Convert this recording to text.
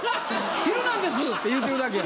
「昼なんです」って言うてるだけや。